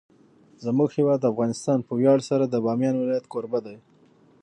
زموږ هیواد افغانستان په ویاړ سره د بامیان ولایت کوربه دی.